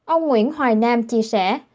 ông nguyễn hoài nam chia sẻ